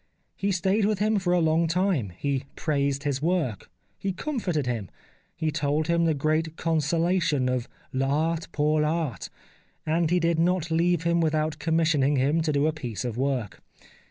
He stayed with him for a long time, he praised his work, he comforted him, he told him the great consolation of V Art pour I' Art, and he did not leave him without commissioning him to do a piece of work.